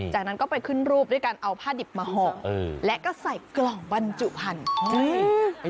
จากนั้นก็ไปขึ้นรูปด้วยการเอาผ้าดิบมาห่อและก็ใส่กล่องบรรจุพันธุ์